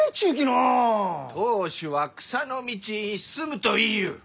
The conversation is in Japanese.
当主は草の道に進むと言いゆう！